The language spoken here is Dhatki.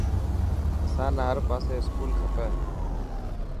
اسان نا هر پاسي اسڪول کپي.